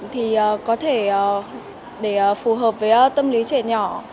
thì có thể để phù hợp với tâm lý trẻ nhỏ